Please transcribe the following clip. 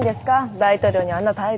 大統領にあんな態度。